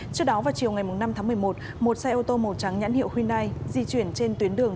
trước đó vào chiều ngày năm tháng một mươi một một xe ô tô màu trắng nhãn hiệu hyundai di chuyển trên tuyến đường